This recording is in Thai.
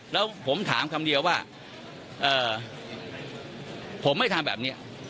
แล้วผมถามคำเดียวว่าผมไม่ทำแบบนี้